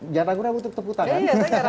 jangan ragu ragu untuk tepuk tangan